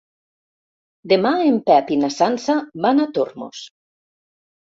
Demà en Pep i na Sança van a Tormos.